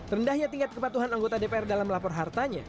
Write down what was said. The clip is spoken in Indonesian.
rendahnya tingkat kepatuhan anggota dpr dalam melapor hartanya